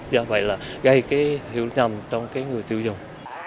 do vậy gây hiệu nhầm trong người tiêu dùng